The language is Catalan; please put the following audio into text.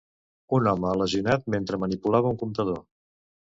Un home lesionat mentre manipulava un comptador.